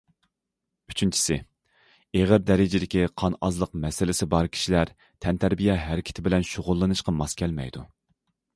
ئۈچىنچىسى، ئېغىر دەرىجىدىكى قان ئازلىق مەسىلىسى بار كىشىلەر تەنتەربىيە ھەرىكىتى بىلەن شۇغۇللىنىشقا ماس كەلمەيدۇ.